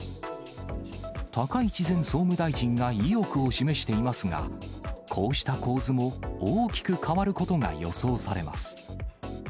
高市前総務大臣が意欲を示していますが、こうした構図も大きく変わることが予想されます。